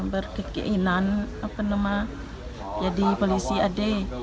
berkekeinan jadi polisi adik